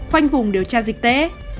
khoanh vùng điều tra dịch tế